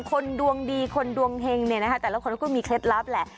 คนดวงดีคนดวงเฮงแต่เราค้นนะคุณมีเคล็ดลับแหละ